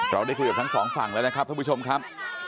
เราได้คุยกับทั้งสองฝั่งแล้วนะครับท่านผู้ชมครับ